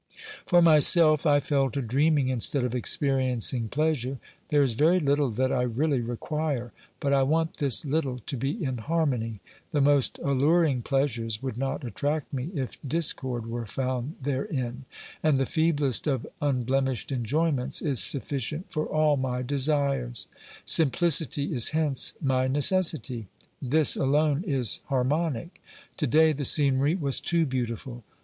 For myself, I fell to dreaming instead of experiencing pleasure. There is very little that I really require, but I want this little to be in harmony. The most alluring pleasures would not attract me if discord were found there in, and the feeblest of unblemished enjoyments is sufficient OBERMANN 247 for all my desires. Simplicity is hence my necessity ; this alone is harmonic. To day the scenery was too beautiful.